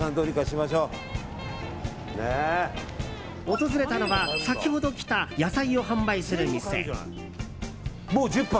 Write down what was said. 訪れたのは先ほど来た野菜を販売する店。